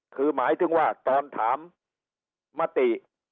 คือหมายถึงว่าตอนถามมติ